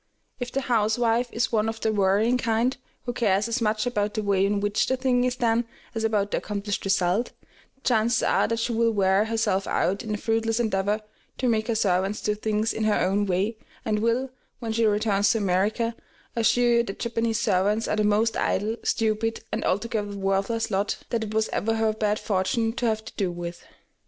If the housewife is one of the worrying kind, who cares as much about the way in which the thing is done as about the accomplished result, the chances are that she will wear herself out in a fruitless endeavor to make her servants do things in her own way, and will, when she returns to America, assure you that Japanese servants are the most idle, stupid, and altogether worthless lot that it was ever her bad fortune to have to do with.